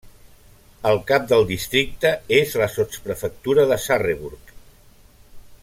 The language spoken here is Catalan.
El cap del districte és la sotsprefectura de Sarrebourg.